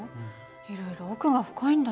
いろいろ奥が深いんだね。